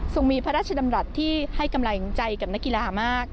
มีพระราชดำรัฐที่ให้กำลังใจกับนักกีฬามาก